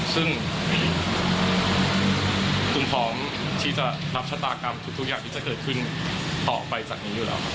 ซึ่งคุณพร้อมที่จะรับชะตากรรมทุกอย่างที่จะเกิดขึ้นต่อไปจากนี้อยู่แล้ว